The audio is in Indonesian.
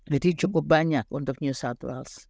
jadi cukup banyak untuk new south wales